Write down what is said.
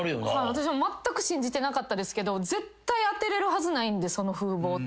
私もまったく信じてなかったですけど絶対当てれるはずないんでその風貌って。